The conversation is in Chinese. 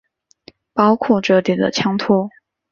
包括折叠的枪托。